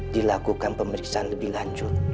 dilakukan pemeriksaan lebih lanjut